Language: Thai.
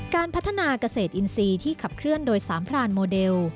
การพัฒนาเกษตรอินทรีย์ที่ขับเคลื่อนโดยสามพรานโมเดล